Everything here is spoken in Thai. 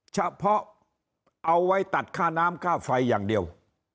เฉพาะเอาไว้ตัดค่าน้ำค่าไฟอย่างเดียว